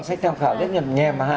sách tham khảo rất nhập nhèm